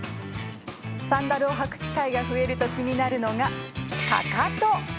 サンダルを履く機会が増えると気になるのが、かかと。